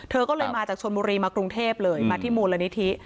เธอก็เลยมาจากชนบุรีมากรุงเทพเลยมาที่มูลนิธิ